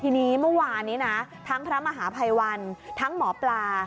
ทีนี้เมื่อวานนี้นะทั้งพระมหาภัยวันทั้งหมอปลา